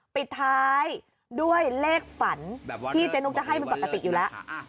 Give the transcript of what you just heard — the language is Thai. ปิดท้ายด้วยเลขฝันที่เจ๊นุกจะให้มันปกติอยู่แล้ว